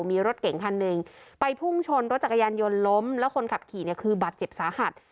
มีรถเก่งคันหนึ่งไปพุ่งชนรถจักรยานยนต์ล้มแล้วคนขับขี่เนี่ยคือบาดเจ็บสาหัส